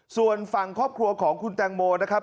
ส่วนฝั่งครอบครัวของคุณแตงโมนะครับ